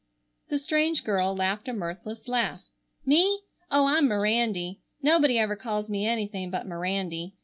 The strange girl laughed a mirthless laugh. "Me? Oh, I'm Mirandy. Nobody ever calls me anything but Mirandy.